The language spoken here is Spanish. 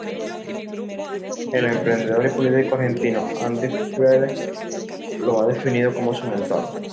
El emprendedor y político argentino Andy Freire lo ha definido como su mentor.